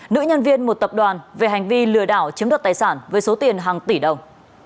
nữ nhân viên một tập đoàn về hành vi lừa đảo chiếm đoạt tài sản với số tiền hàng tỷ đồng